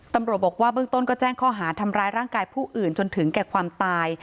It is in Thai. ตำรวจบอกว่าเบื้องต้นก็แจ้งข้อหาทำร้ายร่างกายผู้อื่นจนถึงแก่ความตาย